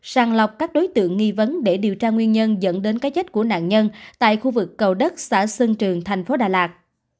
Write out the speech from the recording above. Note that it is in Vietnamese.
sàng lọc các đối tượng nghi vấn để điều tra nguyên nhân dẫn đến cái chết của nạn nhân tại khu vực cầu đất xã sơn trường thành phố đà lạt